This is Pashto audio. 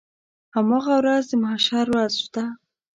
هماغه ورځ د محشر ورځ ده.